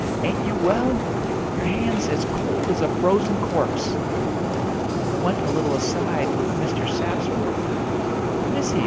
Ain't you well? Your hand's as cold as a frozen corpse." I went a little aside with Mr. Sapsworth. "Who is he?"